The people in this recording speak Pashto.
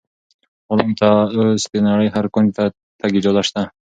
غلام ته اوس د نړۍ هر کونج ته د تګ اجازه شته.